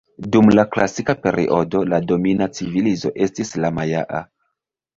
Dum la Klasika periodo la domina civilizo estis la Majaa.